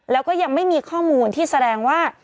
แล้วก็ยังไม่มีข้อมูลที่แสดงว่า